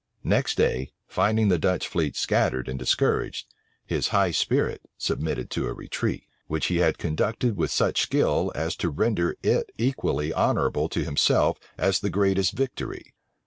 Next day, finding the Dutch fleet scattered and discouraged, his high spirit submitted to a retreat, which yet he conducted with such skill, as to render it equally honorable to himself as the greatest victory.